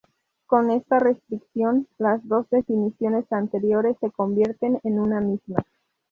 Con esta restricción, las dos definiciones anteriores se convierten en una misma.